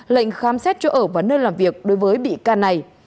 lệnh khám xét chỗ ở và nơi làm việc đối với bị can này